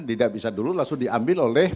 tidak bisa dulu langsung diambil oleh